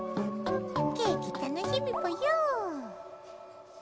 ケーキ楽しみぽよ。